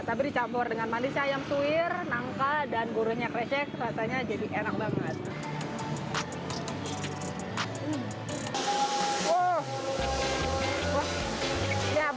tapi dicampur dengan manis ayam suwir angka dan gudegnya krecek rasanya jadi enak banget